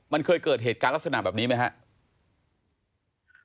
มันเคยเกิดเหตุการณ์ลักษณะแบบนี้ไหมครับ